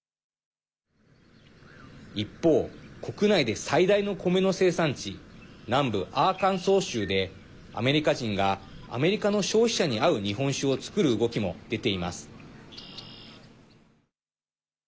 一方国内で最大のコメの生産地南部アーカンソー州でアメリカ人がアメリカの消費者に合う日本酒を造る動きも出ています。